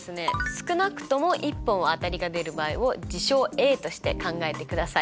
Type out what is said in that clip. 少なくとも１本は当たりが出る場合を事象Ａとして考えてください。